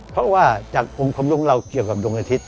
เพราะว่าจากองค์ความรู้ของเราเกี่ยวกับดวงอาทิตย